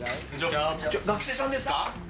学生さんですか？